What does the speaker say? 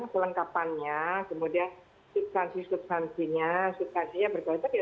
kelengkapannya kemudian substansi substansinya substansinya berkontak ya